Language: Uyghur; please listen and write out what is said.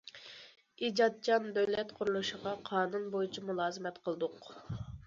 ئىجادچان دۆلەت قۇرۇلۇشىغا قانۇن بويىچە مۇلازىمەت قىلدۇق.